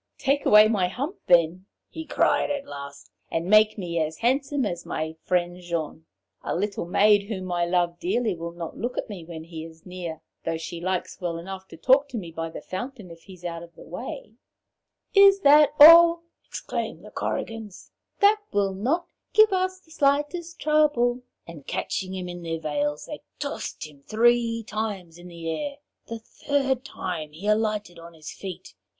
'Take away my hump, then,' he cried at last, 'and make me as handsome as my friend Jean. A little maid whom I love dearly will not look at me when he is near, though she likes well enough to talk to me by the fountain if he is out of the way.' [Illustration: They tossed him three times in the air.] 'Is that all?' exclaimed the Korrigans. 'That will not give us the slightest trouble!' and catching him in their veils, they tossed him three times in the air. The third time he alighted on his feet.